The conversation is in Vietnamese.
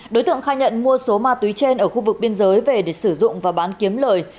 đối tượng khai nhận mua số ma túy trên ở khu vực biên giới về để sử dụng và bán kiếm lời